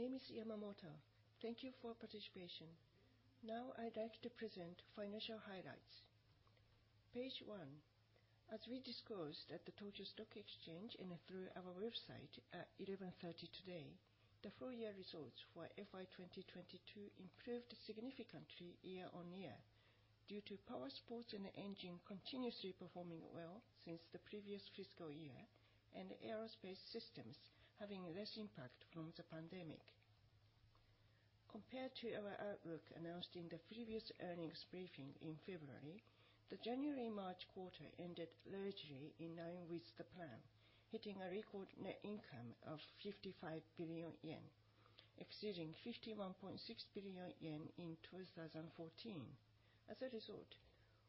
My name is Yamamoto. Thank you for participation. Now I'd like to present financial highlights. Page one. As we disclosed at the Tokyo Stock Exchange and through our website at 11:30 A.M. today, the full-year results for FY 2022 improved significantly year-over-year due Powersports and Engine continuously performing well since the previous fiscal year, and Aerospace Systems having less impact from the pandemic. Compared to our outlook announced in the previous earnings briefing in February, the January-March quarter ended largely in line with the plan, hitting a record net income of 55 billion yen, exceeding 51.6 billion yen in 2014. As a result,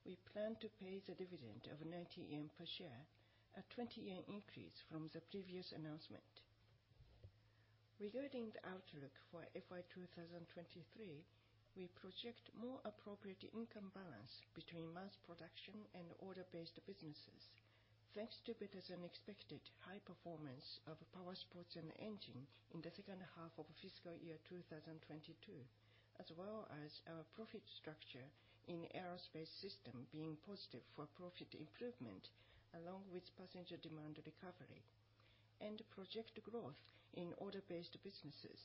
we plan to pay the dividend of 90 yen per share, a 20 yen increase from the previous announcement. Regarding the outlook for FY 2023, we project more appropriate income balance between mass production and order-based businesses, thanks to better-than-expected high performance Powersports and Engine in the second half of fiscal year 2022, as well as our profit structure in aerospace system being positive for profit improvement along with passenger demand recovery, project growth in order-based businesses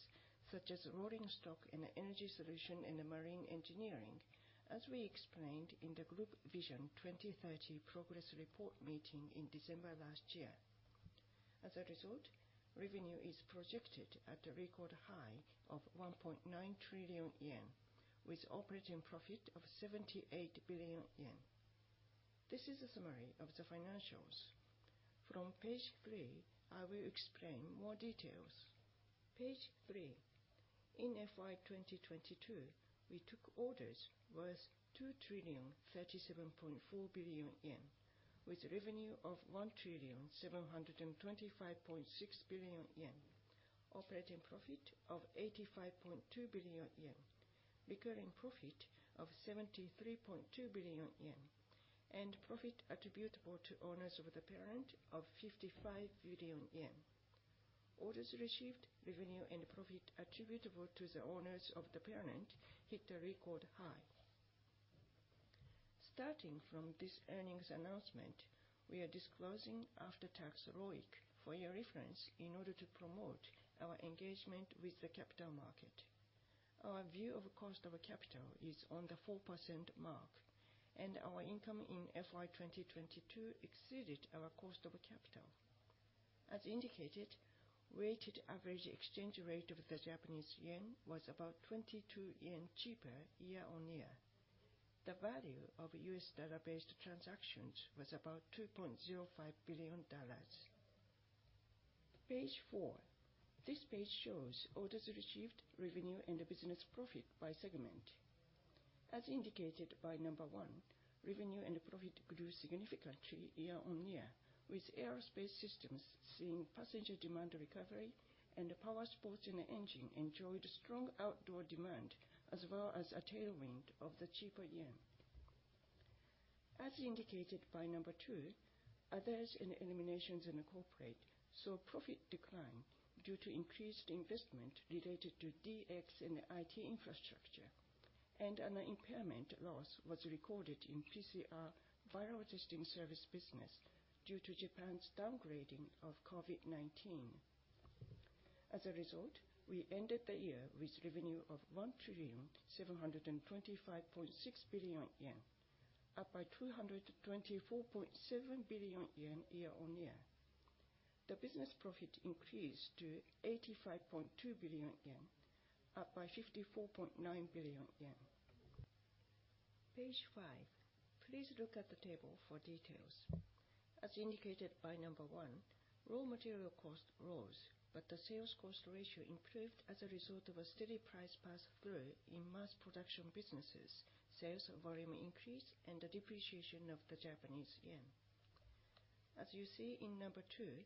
such as Rolling Stock and Energy Solution and Marine Engineering, as we explained in the Group Vision 2030・Progress Report Meeting in December last year. As a result, revenue is projected at a record high of 1.9 trillion yen with operating profit of 78 billion yen. This is a summary of the financials. From page three, I will explain more details. Page three. In FY 2022, we took orders worth 2,037.4 billion yen with revenue of 1,725.6 billion yen, operating profit of 85.2 billion yen, recurring profit of 73.2 billion yen, and profit attributable to owners of the parent of 55 billion yen. Orders received, revenue, and profit attributable to the owners of the parent hit a record high. Starting from this earnings announcement, we are disclosing after-tax ROIC for your reference in order to promote our engagement with the capital market. Our view of cost of capital is on the 4% mark, and our income in FY 2022 exceeded our cost of capital. As indicated, weighted average exchange rate of the Japanese yen was about 22 yen cheaper year-on-year. The value of US dollar-based transactions was about $2.05 billion. Page four. This page shows orders received, revenue, and business profit by segment. As indicated by number one, revenue and profit grew significantly year-on-year, with Aerospace Systems seeing passenger demand recovery and Powersports and Engine enjoyed strong outdoor demand as well as a tailwind of the cheaper yen. As indicated by number two, others and eliminations in the corporate saw profit decline due to increased investment related to DX and IT infrastructure, and an impairment loss was recorded in PCR viral testing service business due to Japan's downgrading of COVID-19. As a result, we ended the year with revenue of 1,725.6 billion yen, up by 224.7 billion yen year-on-year. The business profit increased to 85.2 billion yen, up by 54.9 billion yen. Page five. Please look at the table for details. As indicated by one, raw material cost rose. The sales cost ratio improved as a result of a steady price pass-through in mass production businesses, sales volume increase, and the depreciation of the Japanese yen. As you see in two,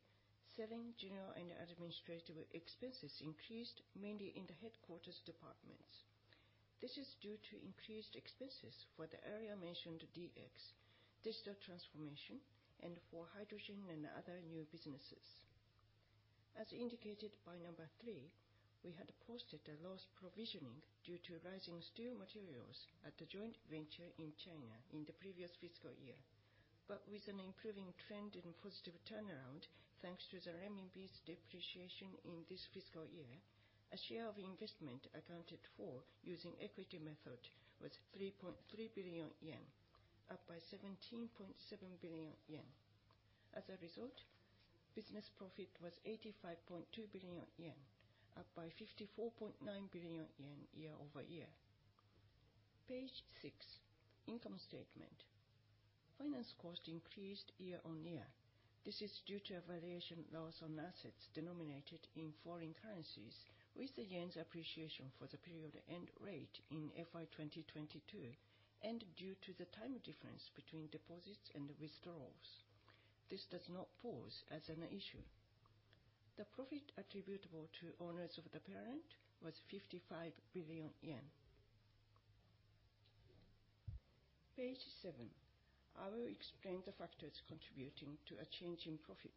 selling, general, and administrative expenses increased mainly in the headquarters departments. This is due to increased expenses for the earlier mentioned DX, digital transformation, and for hydrogen and other new businesses. As indicated by three, we had posted a loss provisioning due to rising steel materials at the joint venture in China in the previous fiscal year. With an improving trend and positive turnaround, thanks to the renminbi's depreciation in this fiscal year, a share of investment accounted for using equity method was 3.3 billion yen, up by 17.7 billion yen. As a result, business profit was 85.2 billion yen, up by 54.9 billion yen year-over-year. Page six, income statement. Finance cost increased year-on-year. This is due to a valuation loss on assets denominated in foreign currencies with the yen's appreciation for the period-end rate in FY 2022 and due to the time difference between deposits and withdrawals. This does not pose as an issue. The profit attributable to owners of the parent was 55 billion yen. Page seven. I will explain the factors contributing to a change in profit.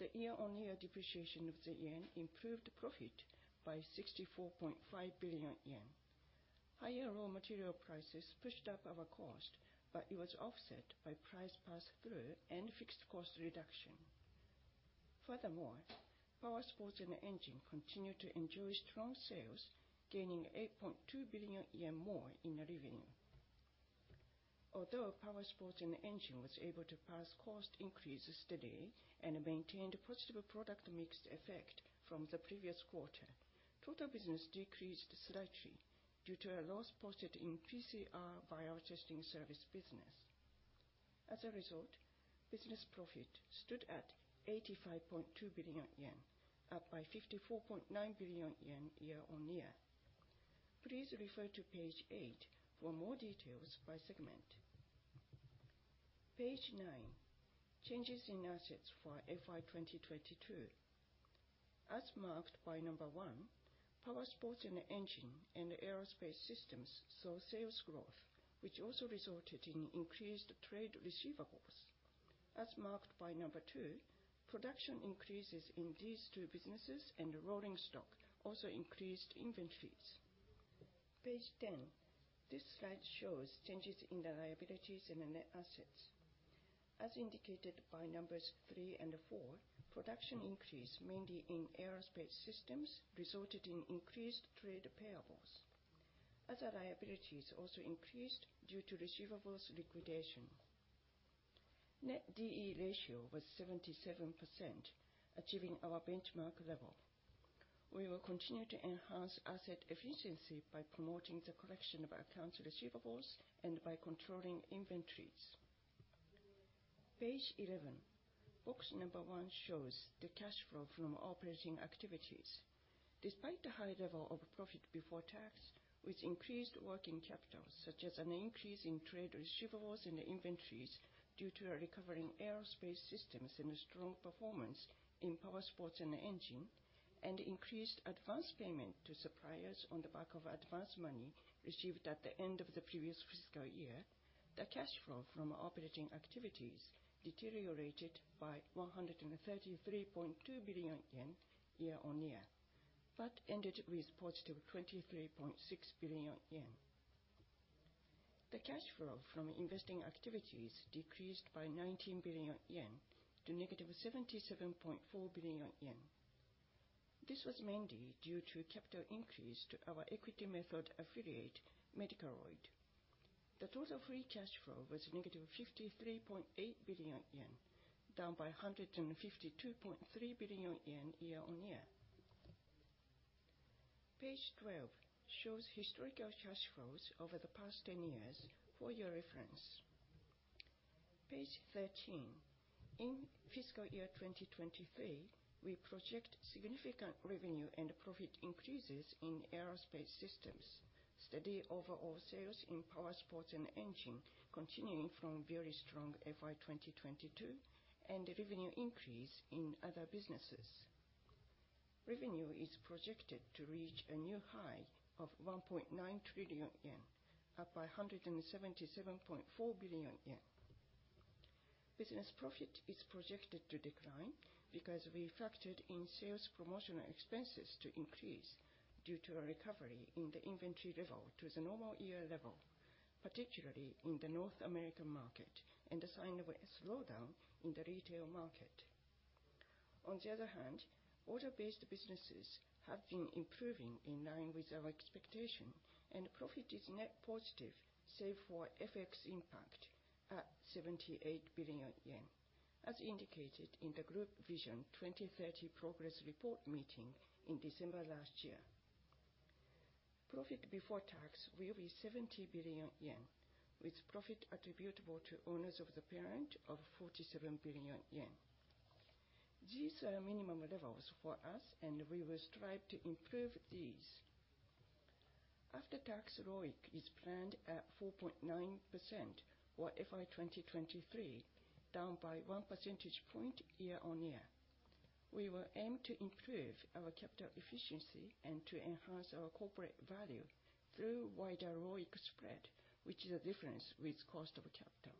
The year-on-year depreciation of the yen improved profit by 64.5 billion yen. Higher raw material prices pushed up our cost, it was offset by price pass through and fixed cost reduction. Furthermore, Powersports and Engine continued to enjoy strong sales, gaining 8.2 billion yen more in revenue. Although Powersports and Engine was able to pass cost increases steady and maintained positive product mix effect from the previous quarter, total business decreased slightly due to a loss posted in PCR viral testing service business. As a result, business profit stood at 85.2 billion yen, up by 54.9 billion yen year-on-year. Please refer to page eight for more details by segment. Page nine, changes in assets for FY 2022. As marked by number one, Powersports and Engine and Aerospace Systems saw sales growth, which also resulted in increased trade receivables. As marked by number two, production increases in these two businesses and Rolling Stock also increased inventories. Page 10. This slide shows changes in the liabilities and the net assets. As indicated by numbers three and four, production increase, mainly in Aerospace Systems, resulted in increased trade payables. Other liabilities also increased due to receivables liquidation. Net D/E ratio was 77%, achieving our benchmark level. We will continue to enhance asset efficiency by promoting the collection of accounts receivables and by controlling inventories. Page 11. Box number one shows the cash flow from operating activities. Despite the high level of profit before tax, with increased working capital, such as an increase in trade receivables and inventories due to a recovery in Aerospace Systems and a strong performance in Powersports and Engine, and increased advanced payment to suppliers on the back of advanced money received at the end of the previous fiscal year, the cash flow from operating activities deteriorated by 133.2 billion yen year-on-year, but ended with positive 23.6 billion yen. The cash flow from investing activities decreased by 19 billion yen to negative 77.4 billion yen. This was mainly due to capital increase to our equity method affiliate, Medicaroid. The total free cash flow was negative 53.8 billion yen, down by 152.3 billion yen year-on-year. Page 12 shows historical cash flows over the past 10 years for your reference. Page 13. In fiscal year 2023, we project significant revenue and profit increases in Aerospace Systems, steady overall sales in Powersports and Engine continuing from very strong FY 2022. Revenue increase in other businesses. Revenue is projected to reach a new high of 1.9 trillion yen, up by 177.4 billion yen. Business profit is projected to decline because we factored in sales promotional expenses to increase due to a recovery in the inventory level to the normal year level, particularly in the North American market and a sign of a slowdown in the retail market. Order-based businesses have been improving in line with our expectation, and profit is net positive, save for FX impact at 78 billion yen, as indicated in the Group Vision 2030 Progress Report Meeting in December last year. Profit before tax will be 70 billion yen, with profit attributable to owners of the parent of 47 billion yen. These are minimum levels for us, we will strive to improve these. After-tax ROIC is planned at 4.9% for FY 2023, down by one percentage point year-on-year. We will aim to improve our capital efficiency and to enhance our corporate value through wider ROIC spread, which is a difference with cost of capital.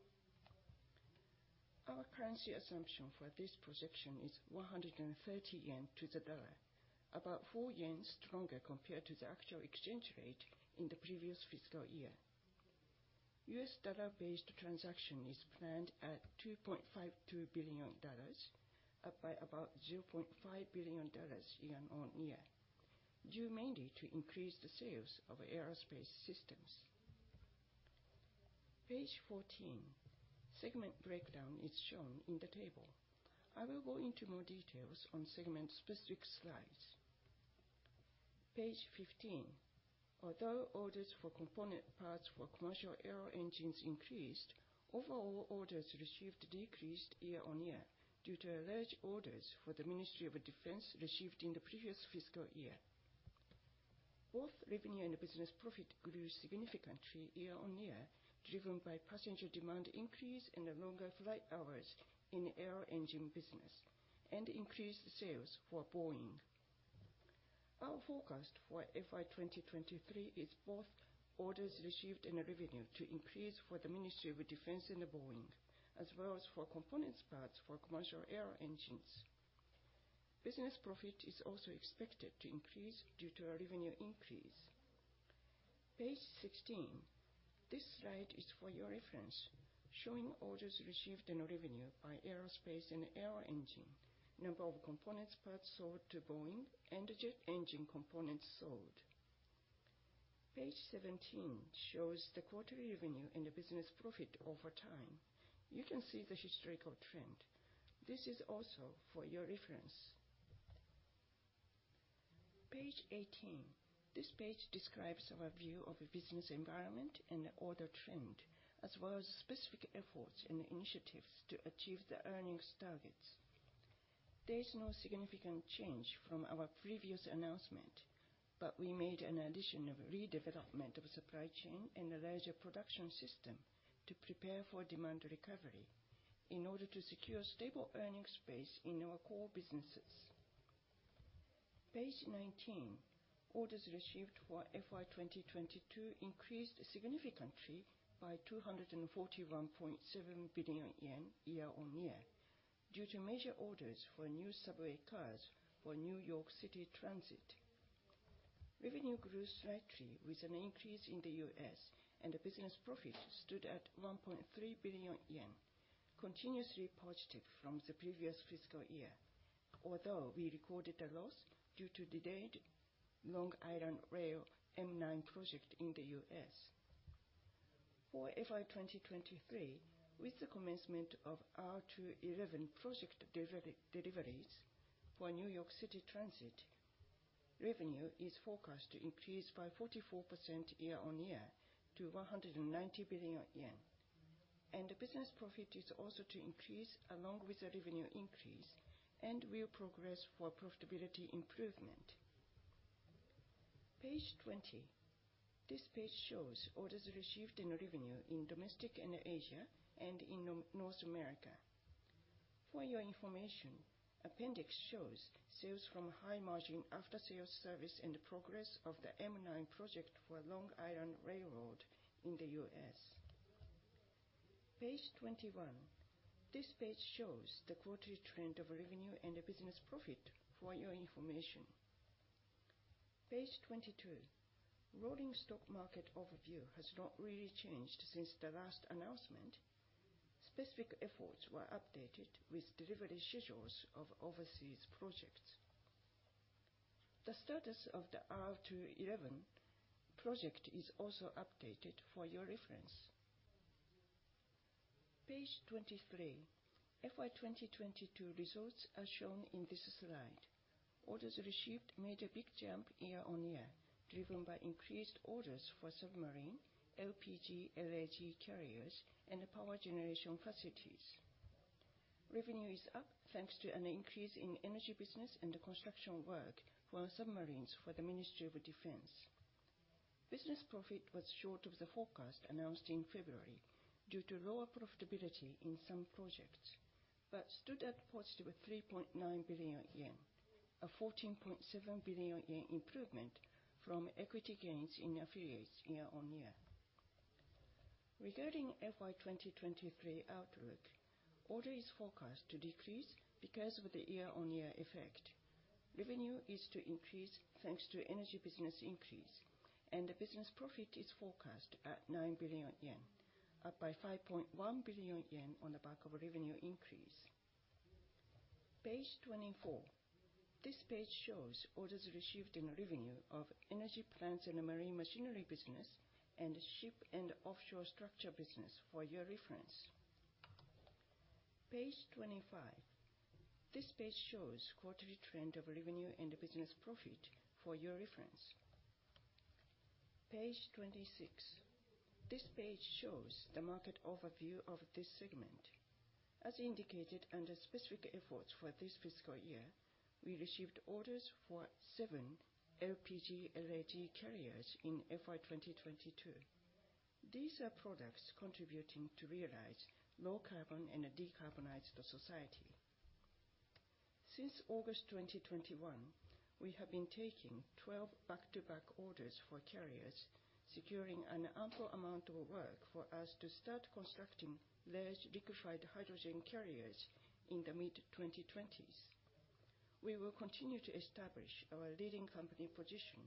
Our currency assumption for this projection is 130 yen to the dollar, about 4 yen stronger compared to the actual exchange rate in the previous fiscal year. U.S. dollar-based transaction is planned at $2.52 billion, up by about $0.5 billion year-on-year, due mainly to increased sales of Aerospace Systems. Page 14, segment breakdown is shown in the table. I will go into more details on segment specific slides. Page 15. Although orders for component parts for commercial aero engines increased, overall orders received decreased year-on-year due to large orders for the Ministry of Defense received in the previous fiscal year. Both revenue and business profit grew significantly year-on-year, driven by passenger demand increase and longer flight hours in the aero engine business, and increased sales for Boeing. Our forecast for FY2023 is both orders received and revenue to increase for the Ministry of Defense and the Boeing, as well as for components parts for commercial air engines. Business profit is also expected to increase due to a revenue increase. Page 16. This slide is for your reference, showing orders received and revenue by aerospace and air engine, number of components parts sold to Boeing, and the jet engine components sold. Page 17 shows the quarterly revenue and the business profit over time. You can see the historical trend. This is also for your reference. Page 18. This page describes our view of the business environment and the order trend, as well as specific efforts and initiatives to achieve the earnings targets. There is no significant change from our previous announcement. We made an addition of redevelopment of supply chain and a larger production system to prepare for demand recovery in order to secure stable earnings base in our core businesses. Page 19. Orders received for FY2022 increased significantly by 241.7 billion yen year-on-year due to major orders for new subway cars for New York City Transit. Revenue grew slightly with an increase in the US and the business profit stood at 1.3 billion yen, continuously positive from the previous fiscal year, although we recorded a loss due to delayed Long Island Rail Road M9 project in the US. For FY2023, with the commencement of R211 project deliveries for New York City Transit, revenue is forecast to increase by 44% year-on-year to 190 billion yen. The business profit is also to increase along with the revenue increase and will progress for profitability improvement. Page 20. This page shows orders received and revenue in domestic and Asia and in North America. For your information, appendix shows sales from high-margin after-sales service and the progress of the M9 project for Long Island Rail Road in the U.S. Page 21. This page shows the quarterly trend of revenue and the business profit for your information. Page 22. Rolling stock market overview has not really changed since the last announcement. Specific efforts were updated with delivery schedules of overseas projects. The status of the R211 project is also updated for your reference. Page 23. FY2022 results are shown in this slide. Orders received made a big jump year-over-year, driven by increased orders for submarine, LPG, LAG carriers, and power generation facilities. Revenue is up thanks to an increase in energy business and the construction work for our submarines for the Ministry of Defense. Business profit was short of the forecast announced in February due to lower profitability in some projects, but stood at positive 3.9 billion yen, a 14.7 billion yen improvement from equity gains in affiliates year-on-year. Regarding FY2023 outlook, order is forecast to decrease because of the year-on-year effect. Revenue is to increase thanks to energy business increase, and the business profit is forecast at 9 billion yen, up by 5.1 billion yen on the back of a revenue increase. Page 24. This page shows orders received and revenue of energy plants and the marine machinery business and ship and offshore structure business for your reference. Page 25. This page shows quarterly trend of revenue and the business profit for your reference. Page 26. This page shows the market overview of this segment. As indicated under specific efforts for this fiscal year, we received orders for seven LPG, LAG carriers in FY2022. These are products contributing to realize low carbon and a decarbonized society. Since August 2021, we have been taking 12 back-to-back orders for carriers, securing an ample amount of work for us to start constructing large liquefied hydrogen carriers in the mid-2020s. We will continue to establish our leading company position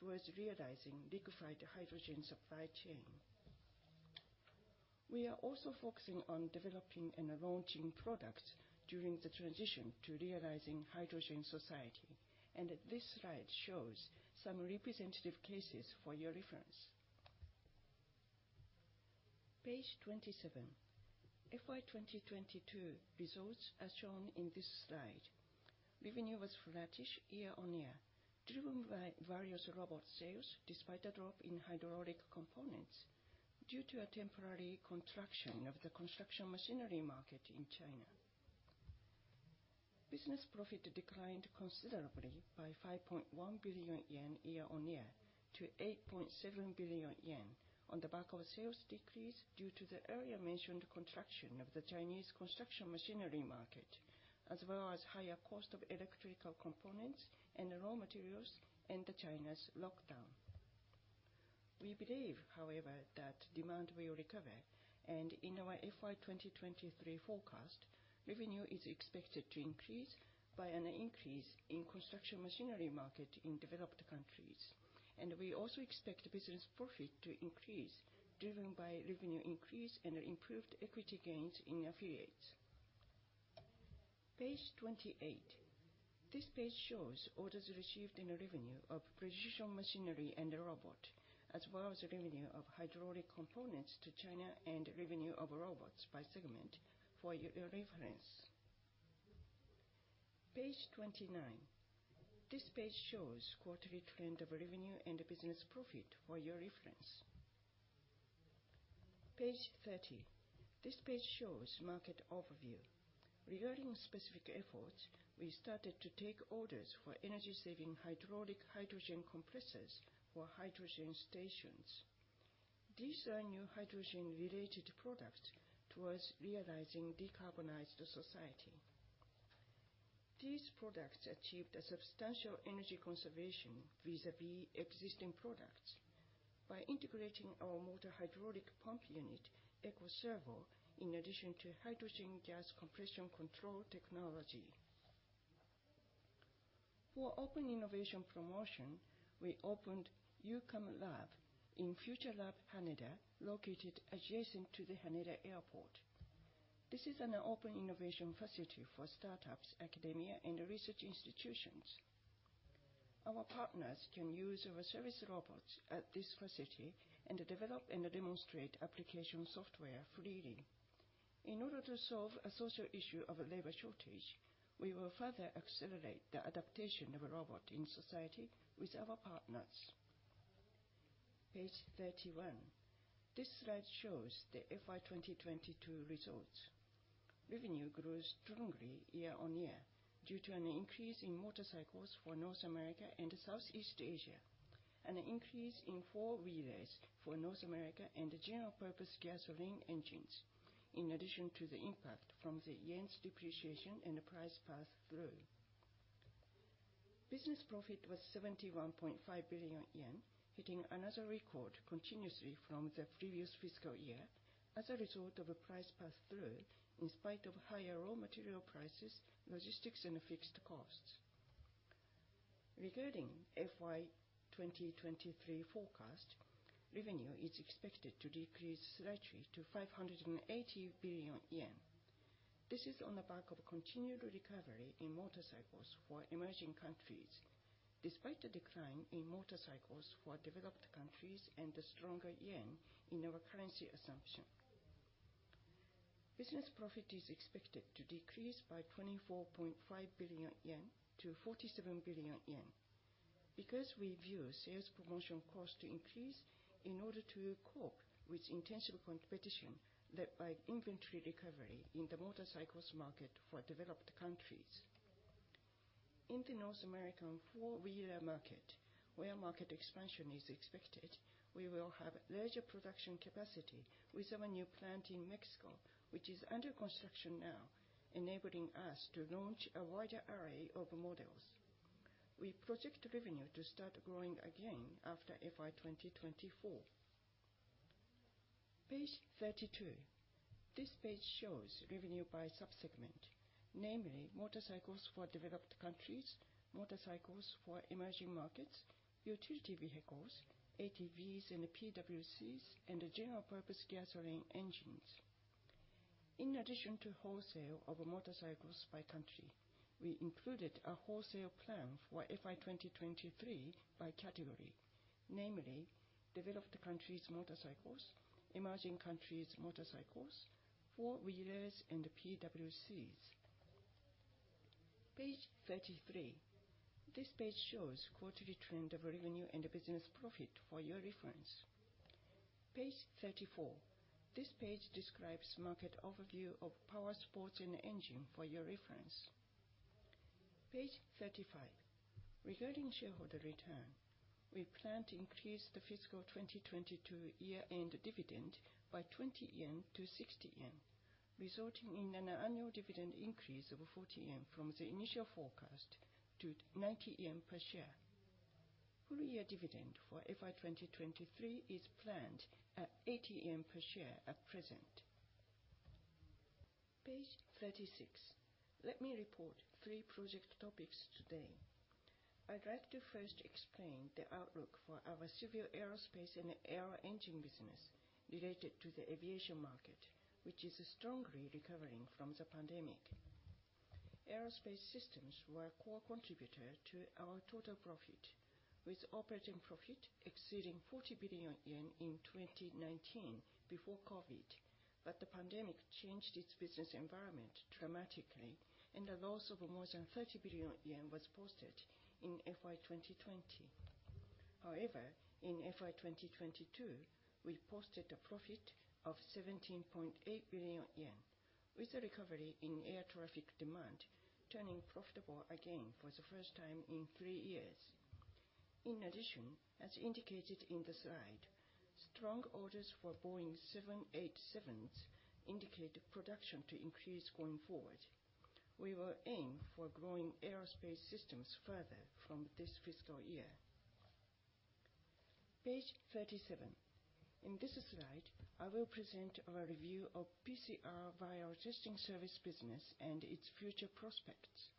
towards realizing liquefied hydrogen supply chain. We are also focusing on developing and launching products during the transition to realizing hydrogen society. This slide shows some representative cases for your reference. Page 27. FY2022 results as shown in this slide. Revenue was flattish year-on-year, driven by various robot sales despite a drop in hydraulic components due to a temporary contraction of the construction machinery market in China. Business profit declined considerably by 5.1 billion yen year-on-year to 8.7 billion yen on the back of a sales decrease due to the earlier mentioned contraction of the Chinese construction machinery market, as well as higher cost of electrical components and raw materials and China's lockdown. We believe, however, that demand will recover. In our FY 2023 forecast, revenue is expected to increase by an increase in construction machinery market in developed countries. We also expect business profit to increase, driven by revenue increase and improved equity gains in affiliates. Page 28. This page shows orders received and revenue of precision machinery and robot, as well as revenue of hydraulic components to China and revenue of robots by segment for your reference. Page 29. This page shows quarterly trend of revenue and business profit for your reference. Page 30. This page shows market overview. Regarding specific efforts, we started to take orders for energy-saving hydraulic hydrogen compressors for hydrogen stations. These are new hydrogen-related products towards realizing decarbonized society. These products achieved a substantial energy conservation vis-a-vis existing products by integrating our motor hydraulic pump unit, ECO SERVO, in addition to hydrogen gas compression control technology. For open innovation promotion, we opened YouComeLab in Future Lab HANEDA, located adjacent to the Haneda Airport. This is an open innovation facility for startups, academia, and research institutions. Our partners can use our service robots at this facility and develop and demonstrate application software freely. In order to solve a social issue of a labor shortage, we will further accelerate the adaptation of a robot in society with our partners. Page 31. This slide shows the FY 2022 results. Revenue grows strongly year-on-year due to an increase in motorcycles for North America and Southeast Asia, an increase in four-wheelers for North America, and general-purpose gasoline engines, in addition to the impact from the yen's depreciation and the price pass-through. Business profit was 71.5 billion yen, hitting another record continuously from the previous fiscal year as a result of a price pass-through in spite of higher raw material prices, logistics, and fixed costs. Regarding FY 2023 forecast, revenue is expected to decrease slightly to 580 billion yen. This is on the back of continued recovery in motorcycles for emerging countries, despite the decline in motorcycles for developed countries and the stronger yen in our currency assumption. Business profit is expected to decrease by 24.5 billion yen to 47 billion yen. We view sales promotion cost to increase in order to cope with intensive competition led by inventory recovery in the motorcycles market for developed countries. In the North American four-wheeler market, where market expansion is expected, we will have larger production capacity with our new plant in Mexico, which is under construction now, enabling us to launch a wider array of models. We project revenue to start growing again after FY 2024. Page 32. This page shows revenue by sub-segment, namely motorcycles for developed countries, motorcycles for emerging markets, utility vehicles, ATVs and PWCs, and general-purpose gasoline engines. In addition to wholesale of motorcycles by country, we included a wholesale plan for FY 2023 by category. Namely, developed countries' motorcycles, emerging countries' motorcycles, four-wheelers, and PWCs. Page 33. This page shows quarterly trend of revenue and business profit for your reference. Page 34. This page describes market overview of power sports and engine for your reference. Page 35. Regarding shareholder return, we plan to increase the fiscal 2022 year-end dividend by 20 yen to 60 yen, resulting in an annual dividend increase of 40 yen from the initial forecast to 90 yen per share. Full year dividend for FY 2023 is planned at 80 yen per share at present. Page 36. Let me report three project topics today. I'd like to first explain the outlook for our civil aerospace and aero-engine business related to the aviation market, which is strongly recovering from the pandemic. Aerospace Systems were a core contributor to our total profit, with operating profit exceeding 40 billion yen in 2019 before COVID. The pandemic changed its business environment dramatically, and a loss of more than 30 billion yen was posted in FY 2020. In FY 2022, we posted a profit of 17.8 billion yen, with a recovery in air traffic demand turning profitable again for the first time in three years. As indicated in the slide. Strong orders for Boeing 787s indicate production to increase going forward. We will aim for growing Aerospace Systems further from this fiscal year. Page 37. In this slide, I will present our review of PCR via our testing service business and its future prospects.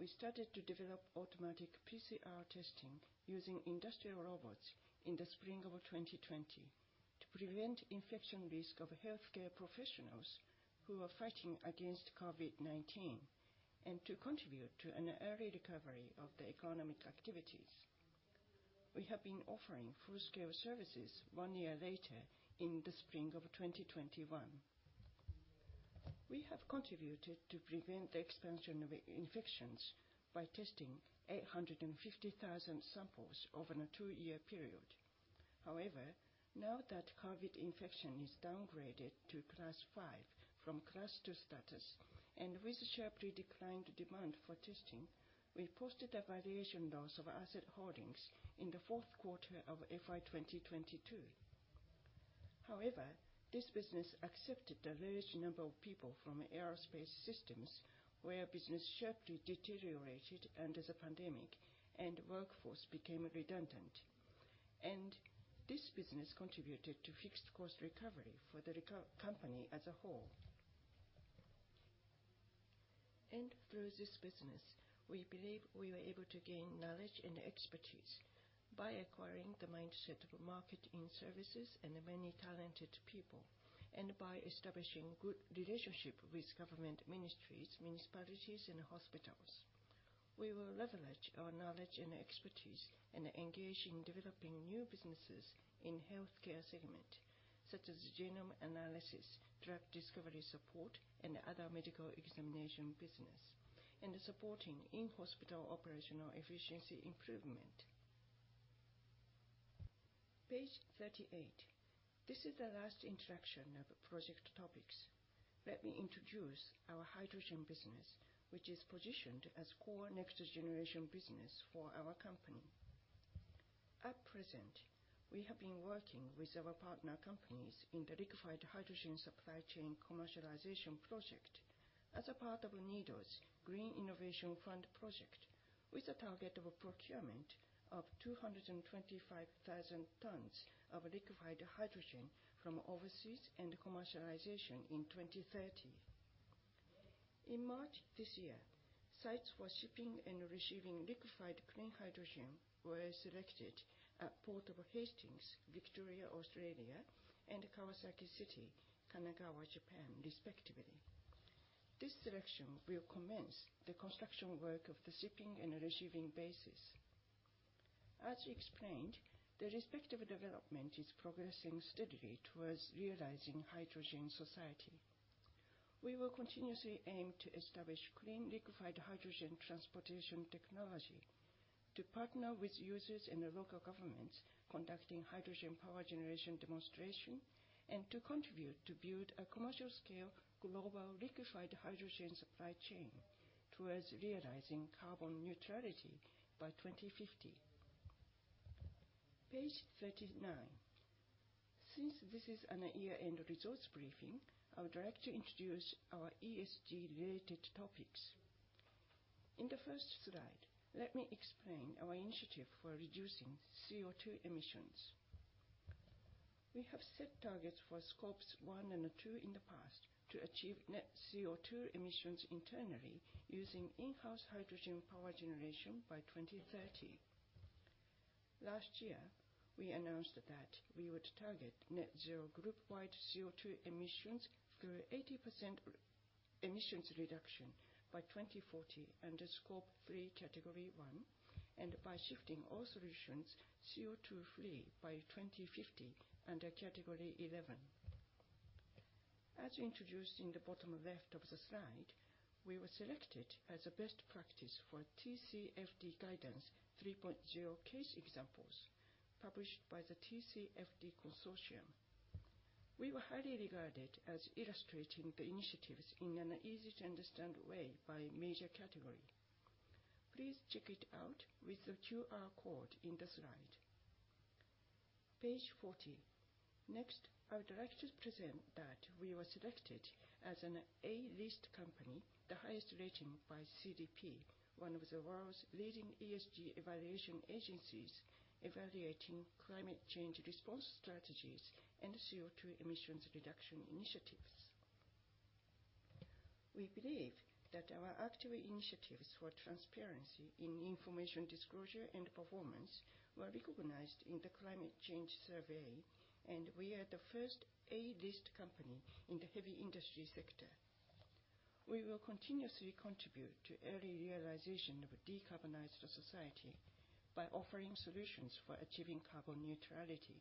We started to develop automatic PCR testing using industrial robots in the spring of 2020 to prevent infection risk of healthcare professionals who are fighting against COVID-19, and to contribute to an early recovery of the economic activities. We have been offering full-scale services one year later in the spring of 2021. We have contributed to prevent the expansion of infections by testing 850,000 samples over a two-year period. However, now that COVID infection is downgraded to Class 5 from Class 2 status, and with sharply declined demand for testing, we posted a valuation loss of asset holdings in the fourth quarter of FY 2022. However, this business accepted a large number of people from Aerospace Systems, where business sharply deteriorated under the pandemic and workforce became redundant. This business contributed to fixed cost recovery for the company as a whole. Through this business, we believe we were able to gain knowledge and expertise by acquiring the mindset of marketing services and many talented people, and by establishing good relationship with government ministries, municipalities, and hospitals. We will leverage our knowledge and expertise and engage in developing new businesses in healthcare segment, such as genome analysis, drug discovery support, and other medical examination business, and supporting in-hospital operational efficiency improvement. Page 38, this is the last interaction of project topics. Let me introduce our hydrogen business, which is positioned as core next generation business for our company. At present, we have been working with our partner companies in the liquefied hydrogen supply chain commercialization project as a part of NEDO's Green Innovation Fund project, with a target of a procurement of 225,000 tons of liquefied hydrogen from overseas and commercialization in 2030. In March this year, sites for shipping and receiving liquefied clean hydrogen were selected at Port of Hastings, Victoria, Australia, and Kawasaki City, Kanagawa, Japan, respectively. This selection will commence the construction work of the shipping and receiving bases. As explained, the respective development is progressing steadily towards realizing hydrogen society. We will continuously aim to establish clean liquefied hydrogen transportation technology to partner with users and local governments conducting hydrogen power generation demonstration, and to contribute to build a commercial scale global liquefied hydrogen supply chain towards realizing carbon neutrality by 2050. Page 39. Since this is an year-end results briefing, I would like to introduce our ESG related topics. In the first slide, let me explain our initiative for reducing CO2 emissions. We have set targets for Scopes 1 and 2 in the past to achieve net CO2 emissions internally using in-house hydrogen power generation by 2030. Last year, we announced that we would target net zero group wide CO2 emissions through 80% emissions reduction by 2040 under Scope 3, Category 1, and by shifting all solutions CO2 free by 2050 under Category 11. As introduced in the bottom left of the slide, we were selected as a best practice for TCFD Guidance 3.0 case examples published by the TCFD Consortium. We were highly regarded as illustrating the initiatives in an easy-to-understand way by major category. Please check it out with the QR code in the slide. Page 40. Next, I would like to present that we were selected as an A-List company, the highest rating by CDP, one of the world's leading ESG evaluation agencies evaluating climate change response strategies and CO2 emissions reduction initiatives. We believe that our active initiatives for transparency in information disclosure and performance were recognized in the climate change survey. We are the first A-List company in the heavy industry sector. We will continuously contribute to early realization of a decarbonized society by offering solutions for achieving carbon neutrality.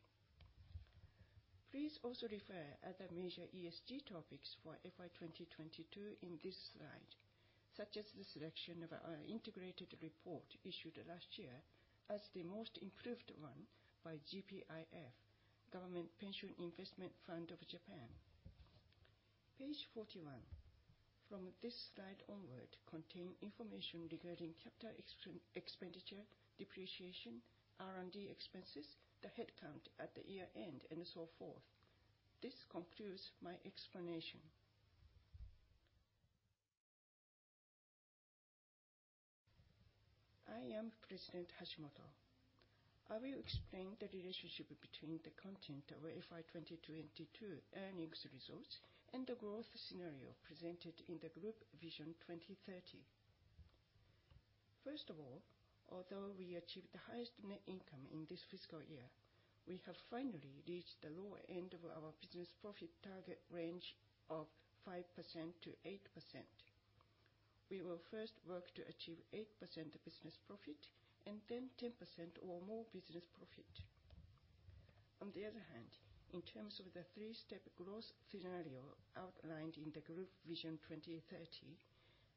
Please also refer other major ESG topics for FY 2022 in this slide, such as the selection of our integrated report issued last year as the most improved one by GPIF, Government Pension Investment Fund of Japan. Page 41. From this slide onward contain information regarding capital expenditure, depreciation, R&D expenses, the headcount at the year-end, and so forth. This concludes my explanation. I am President Hashimoto. I will explain the relationship between the content of FY2022 earnings results and the growth scenario presented in the Group Vision 2030. First of all, although we achieved the highest net income in this fiscal year, we have finally reached the lower end of our business profit target range of 5%-8%. We will first work to achieve 8% business profit and then 10% or more business profit. On the other hand, in terms of the three-step growth scenario outlined in the Group Vision 2030,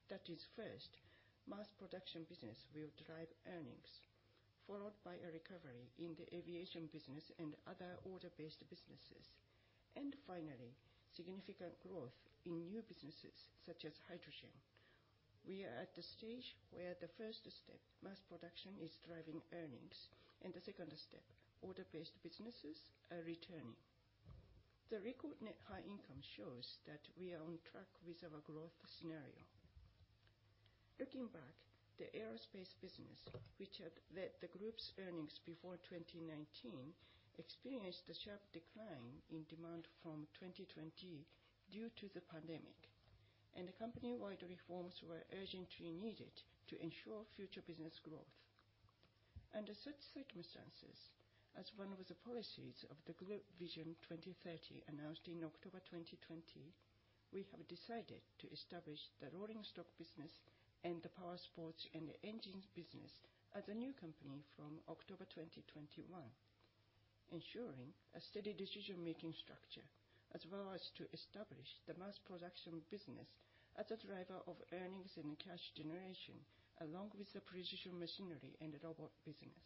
that is first, mass production business will drive earnings, followed by a recovery in the aviation business and other order-based businesses. Finally, significant growth in new businesses such as hydrogen. We are at the stage where the first step, mass production, is driving earnings, and the second step, order-based businesses, are returning. The record net high income shows that we are on track with our growth scenario. Looking back, the aerospace business, which had led the group's earnings before 2019, experienced a sharp decline in demand from 2020 due to the pandemic. Company-wide reforms were urgently needed to ensure future business growth. Under such circumstances, as one of the policies of the Group Vision 2030 announced in October 2020, we have decided to establish the rolling stock business and the Powersports and Engines business as a new company from October 2021, ensuring a steady decision-making structure, as well as to establish the mass production business as a driver of earnings and cash generation, along with the precision machinery and the robot business.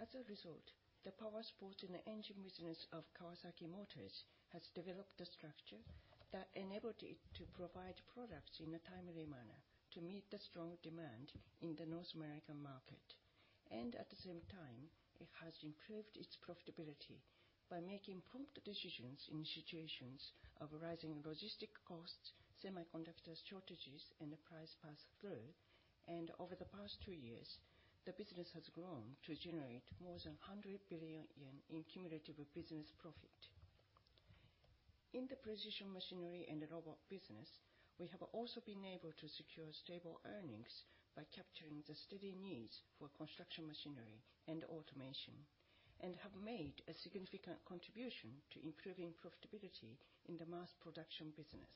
As a result, the Powersport and Engine business of Kawasaki Motors has developed a structure that enabled it to provide products in a timely manner to meet the strong demand in the North American market. At the same time, it has improved its profitability by making prompt decisions in situations of rising logistic costs, semiconductor shortages, and the price pass-through. Over the past two years, the business has grown to generate more than 100 billion yen in cumulative business profit. In the precision machinery and the robot business, we have also been able to secure stable earnings by capturing the steady needs for construction machinery and automation, and have made a significant contribution to improving profitability in the mass production business.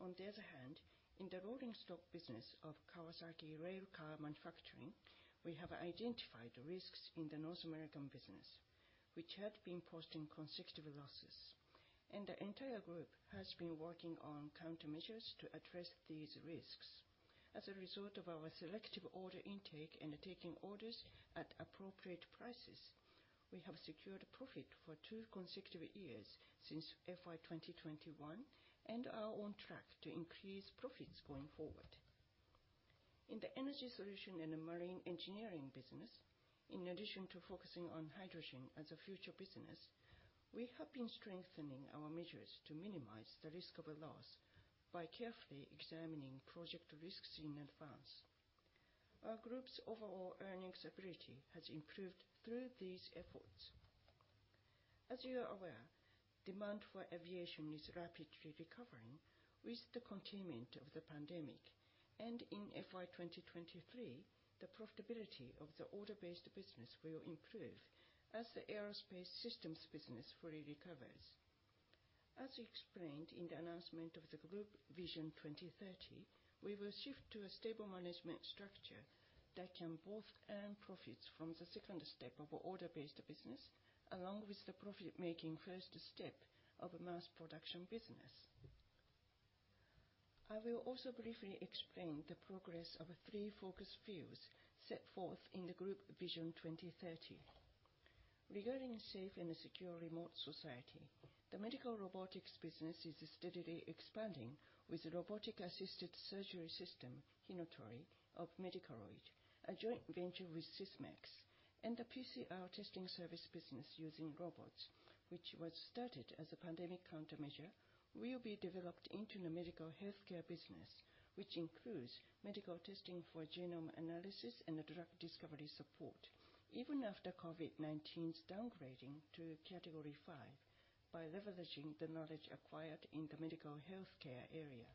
On the other hand, in the rolling stock business of Kawasaki Railcar Manufacturing, we have identified risks in the North American business, which had been posting consecutive losses. The entire group has been working on countermeasures to address these risks. As a result of our selective order intake and taking orders at appropriate prices, we have secured profit for two consecutive years since FY2021, and are on track to increase profits going forward. In the energy solution and the marine engineering business, in addition to focusing on hydrogen as a future business, we have been strengthening our measures to minimize the risk of a loss by carefully examining project risks in advance. Our group's overall earnings ability has improved through these efforts. In FY2023, the profitability of the order-based business will improve as the Aerospace Systems business fully recovers. As explained in the announcement of the Group Vision 2030, we will shift to a stable management structure that can both earn profits from the second step of order-based business along with the profit-making first step of mass production business. I will also briefly explain the progress of three focus fields set forth in the Group Vision 2030. Regarding safe and secure remote society, the medical robotics business is steadily expanding with robotic-assisted surgery system, hinotori, of Medicaroid, a joint venture with Sysmex. The PCR testing service business using robots, which was started as a pandemic countermeasure, will be developed into the medical healthcare business, which includes medical testing for genome analysis and the drug discovery support, even after COVID-19's downgrading to Category 5, by leveraging the knowledge acquired in the medical healthcare area.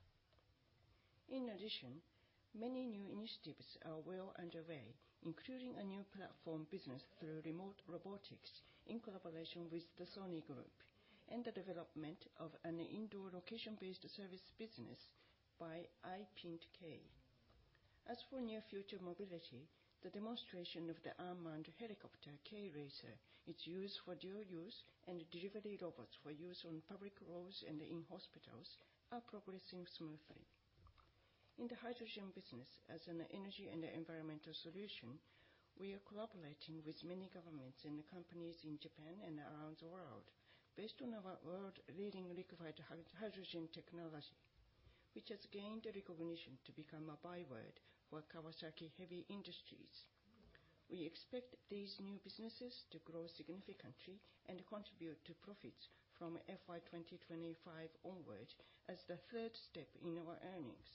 In addition, many new initiatives are well underway, including a new platform business through remote robotics in collaboration with the Sony Group, and the development of an indoor location-based service business by iPNT-K. As for near future mobility, the demonstration of the arm-mounted helicopter, K-RACER, its use for dual use, and delivery robots for use on public roads and in hospitals are progressing smoothly. In the hydrogen business as an energy and environmental solution, we are collaborating with many governments and companies in Japan and around the world based on our world-leading liquefied hydrogen technology, which has gained recognition to become a byword for Kawasaki Heavy Industries. We expect these new businesses to grow significantly and contribute to profits from FY2025 onward as the third step in our earnings.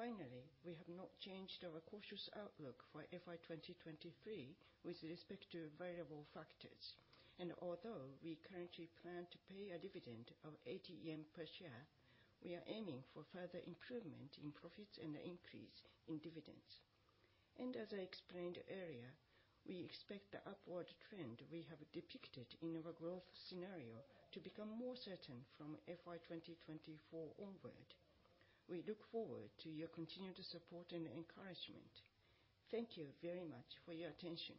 Finally, we have not changed our cautious outlook for FY2023 with respect to variable factors. Although we currently plan to pay a dividend of 80 yen per share, we are aiming for further improvement in profits and an increase in dividends. As I explained earlier, we expect the upward trend we have depicted in our growth scenario to become more certain from FY2024 onward. We look forward to your continued support and encouragement. Thank you very much for your attention.